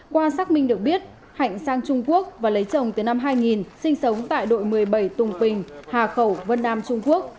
qua xác minh được biết hạnh sang trung quốc và lấy chồng từ năm hai nghìn sinh sống tại đội một mươi bảy tùng quỳnh hà khẩu vân nam trung quốc